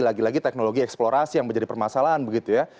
lagi lagi teknologi eksplorasi yang menjadi permasalahan begitu ya